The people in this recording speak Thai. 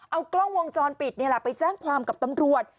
เอากล้องวงจรปิดนี่แหละไปแจ้งความกับตำรวจ